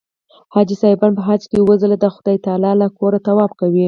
حاجي صاحبان په حج کې اووه ځله د خدای تعلی له کوره طواف کوي.